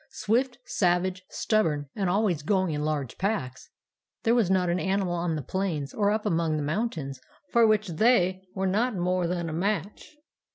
Swift, savage, stubborn, and always going in large packs, there was not an animal on the plains or up among the mountains for which they were not more than a match.